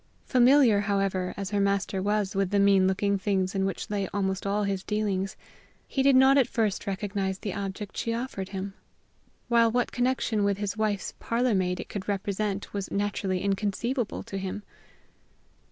Familiar, however, as her master was with the mean looking things in which lay almost all his dealings, he did not at first recognize the object she offered him; while what connection with his wife's parlor maid it could represent was naturally inconceivable to him.